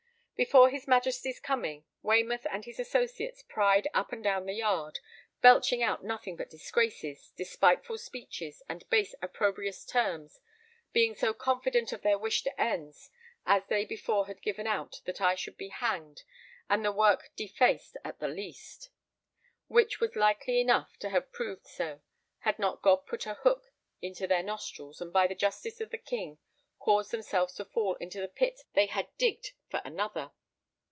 Before his Majesty's coming, Waymouth and his associates pryed up and down the yard, belching out nothing but disgraces, despiteful speeches, and base opprobrious terms, being so confident of their wished ends as they before had given out that I should be hanged and the work defaced at the least; which was likely enough to have proved so, had not God put a hook into their nostrils and by the justice of the King caused themselves to fall into the pit they digged for another.